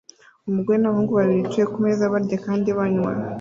Umugore n'abahungu babiri bicaye kumeza barya kandi banywa